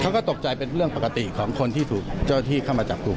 เขาก็ตกใจเป็นเรื่องปกติของคนที่เข้ามาจับกลุ่ม